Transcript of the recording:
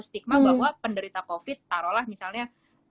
stigma bahwa penderita covid taro lah misalnya